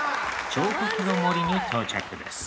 彫刻の森に到着です。